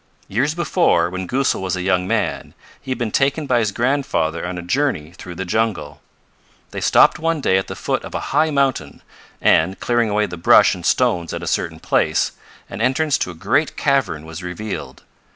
Years before, when Goosal was a young man, he had been taken by his grandfather on a journey through the jungle. They stopped one day at the foot of a high mountain, and, clearing away the brush and stones at a certain place, an entrance to a great cavern was revealed.